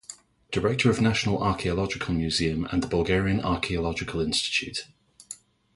Director of the National Archaeological Museum and the Bulgarian Archeological Institute.